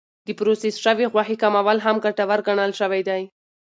د پروسس شوې غوښې کمول هم ګټور ګڼل شوی دی.